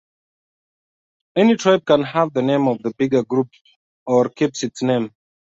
Any tribe can have the name of the bigger group or keeps its name.